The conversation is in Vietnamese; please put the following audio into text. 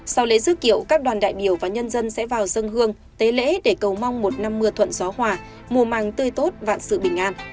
sau lễ dức kiệu các đoàn đại biểu và nhân dân sẽ vào dân hương tế lễ để cầu mong một năm mưa thuận gió hòa mùa màng tươi tốt vạn sự bình an